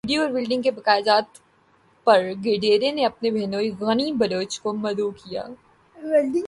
video اور welding کے بقایاجات پر گڈریے نے اپنے بہنوئی غنی بلوچ کو مدعو کیا